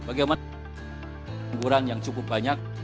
bagaimana ungguran yang cukup banyak